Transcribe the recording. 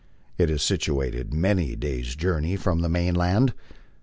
It is situated many days' journey from the mainland."